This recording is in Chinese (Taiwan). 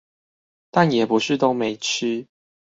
但也不是都沒吃